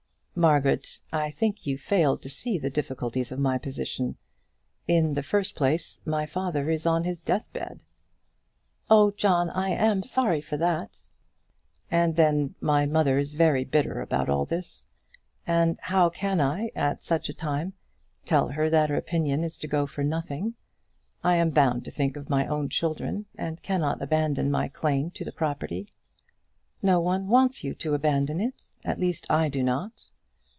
"Margaret, I think you fail to see the difficulties of my position. In the first place, my father is on his deathbed!" "Oh, John, I am sorry for that." "And, then, my mother is very bitter about all this. And how can I, at such a time, tell her that her opinion is to go for nothing? I am bound to think of my own children, and cannot abandon my claim to the property." "No one wants you to abandon it. At least, I do not."